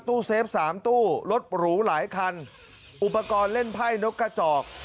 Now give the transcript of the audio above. ตู้เซฟสามตู้รถหรูหลายคันอุปกรณ์เล่นไพ่นกกระจอก